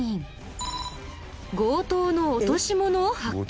強盗の落とし物を発見。